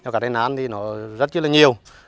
các đài nán thì rất nhiều